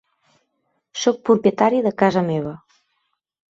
Sóc propietari de casa meva.